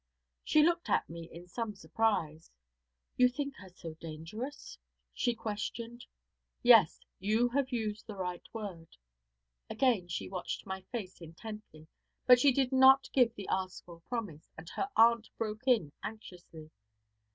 She looked at me in some surprise. 'You think her so dangerous?' she questioned. 'Yes; you have used the right word.' Again she watched my face intently, but she did not give the asked for promise, and her aunt broke in anxiously.